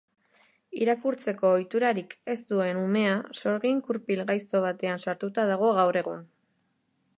Irakurtzeko ohiturarik ez duen umea sorgin-kurpil gaizto batean sartuta dago gaur egun.